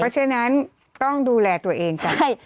เพราะฉะนั้นต้องดูแลตัวเองกัน